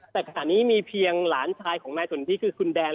แต่ขณะนี้มีเพียงหลานชายของนายสนทิคือคุณแดน